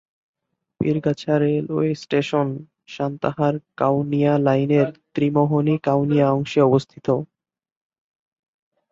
Pirgachha railway station সান্তাহার-কাউনিয়া লাইনের ত্রিমোহনী-কাউনিয়া অংশে অবস্থিত।